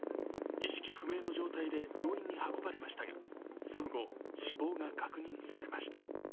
意識不明の状態で病院に運ばれましたが、その後、死亡が確認されました。